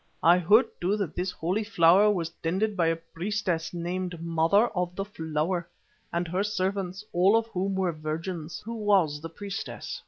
I heard, too, that this Holy Flower was tended by a priestess named Mother of the Flower, and her servants, all of whom were virgins." "Who was the priestess?"